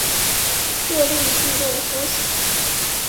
这令聚落缩小。